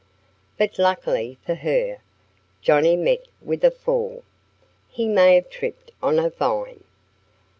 But luckily for her, Johnnie met with a fall. He may have tripped on a vine.